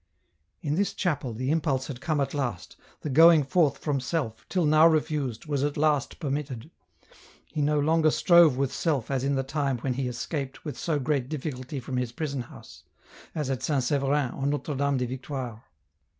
In this chapel, the impulse had come at last, the going forth from self, till now refused, was at last permitted ; he no longer strove with self as in the time when he escaped with so great difficulty from his prison house, as at St. Severin or Notre Dame des Victoires.